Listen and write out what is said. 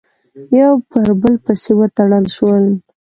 یو پر بل پسې وتړل شول،